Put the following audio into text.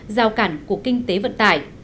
giao cản của kinh tế vận tải